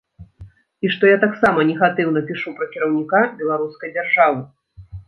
І што я таксама негатыўна пішу пра кіраўніка беларускай дзяржавы.